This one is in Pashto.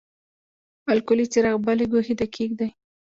الکولي څراغ بلې ګوښې ته کیږدئ.